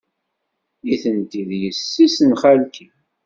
Nitenti d yessi-s n xalti.